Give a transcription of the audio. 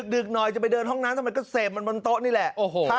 ดึกหน่อยจะไปเดินห้องน้ำทำไมก็เสพมันบนโต๊ะนี่แหละ